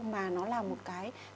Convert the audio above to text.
mà nó là một cái tình trạng